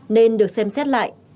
nên được xem xét lại